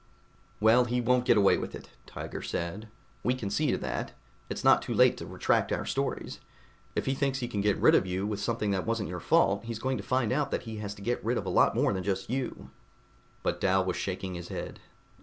"Well, he won't get away with it," Tiger said. "We can see to that. It's not too late to retract our stories. If he thinks he can get rid of you with something that wasn't your fault, he's going to find out that he has to get rid of a lot more than just you." But Dal was shaking his head.